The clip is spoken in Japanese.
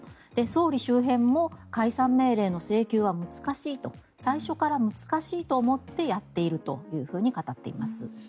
総理周辺も解散命令の請求は難しいと最初から難しいと思ってやっているというふうに語っています。